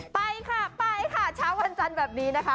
ไปค่ะไปค่ะเช้าวันจันทร์แบบนี้นะคะ